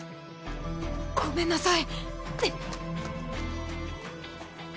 ごめんなさい。